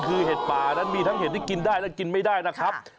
คือเห็ดป่านั้นมีทั้งเห็ดที่กินได้และกินไม่ได้นะครับ